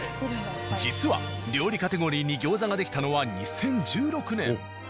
実は料理カテゴリーに餃子が出来たのは２０１６年。